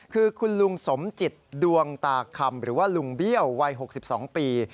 คือคุณลุงสมจิตดวงตาคำหรือว่าลุงเบี้ยววัย๖๒ปี